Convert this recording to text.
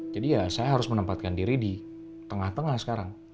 jadi ya saya harus menempatkan diri di tengah tengah sekarang